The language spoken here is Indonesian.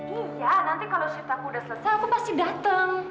iya nanti kalau shift aku udah selesai aku pasti dateng